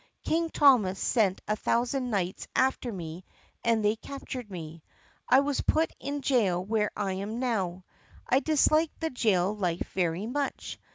King Thomas sent a thousand knights after me and they captured me. I was put in jail where I now am. I dislike the jail life very much.